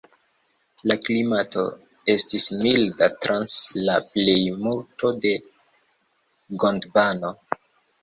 La klimato estis milda trans la plejmulto de Gondvano.